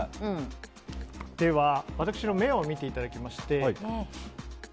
では、私の目を見ていただきまして。